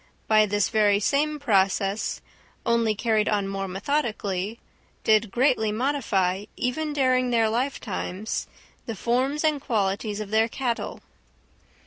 by this very same process, only carried on more methodically, did greatly modify, even during their lifetimes, the forms and qualities of their cattle.